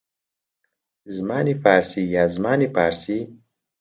زمانی فارسی یان زمانی پارسی